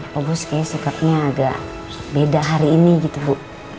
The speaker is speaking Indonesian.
bagus kayaknya sikapnya agak beda hari ini gitu bu